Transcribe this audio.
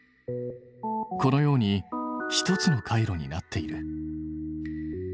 このように一つの回路になっている。